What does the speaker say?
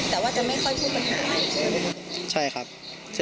แต่ว่าจะไม่ค่อยพูดปัญหา